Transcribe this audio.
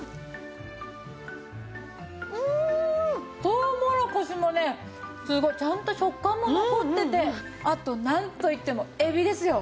とうもろこしもねすごいちゃんと食感も残っててあとなんといってもエビですよ。